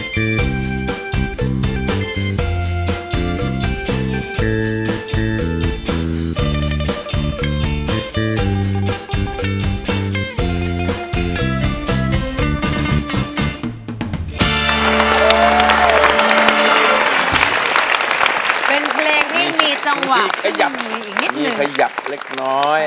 เป็นเพลงที่มีสำหรับธุมีอีกนิดนึง